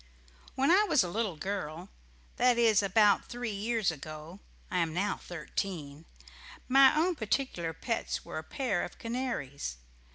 When I was a little girl that is about three years ago I am now thirteen my own particular pets were a pair of canaries.